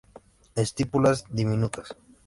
Estípulas diminutas.